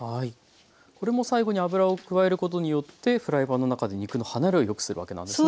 これも最後に油を加えることによってフライパンの中で肉の離れをよくするわけなんですね。